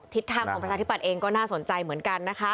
ทางของประชาธิบัตย์เองก็น่าสนใจเหมือนกันนะคะ